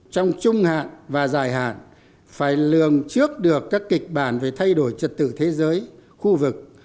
trong trung hạn và dài hạn phải lường trước được các kịch bản về thay đổi trật tự thế giới khu vực